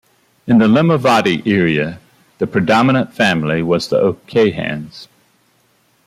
In the Limavady area, the predominate family was the O'Cahans.